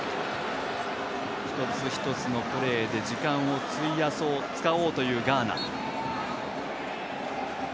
一つ一つのプレーで時間を使おうというガーナ。